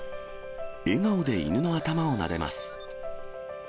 笑顔で犬の頭をなでます。